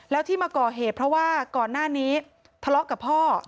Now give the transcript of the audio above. แล้วที่มาก่อเหตุเพราะว่าก่อนหน้านี้ทะเลาะกับพ่อ